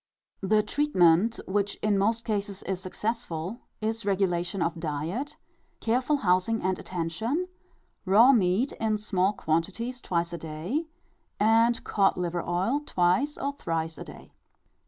The treatment, which in most cases is successful, is regulation of diet, careful housing and attention, raw meat in small quantities twice a day, and cod liver oil twice or thrice a day.